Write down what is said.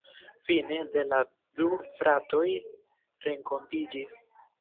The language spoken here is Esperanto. Fine la du fratoj renkontiĝis.